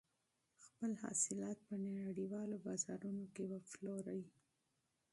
خپل حاصلات په نړیوالو بازارونو کې وپلورئ.